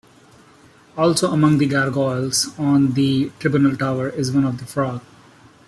Also, among the gargoyles on the Tribune Tower is one of a frog.